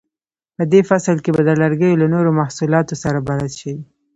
په دې فصل کې به د لرګیو له نورو محصولاتو سره بلد شئ.